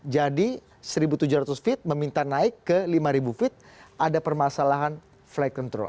jadi satu tujuh ratus feet meminta naik ke lima feet ada permasalahan flight control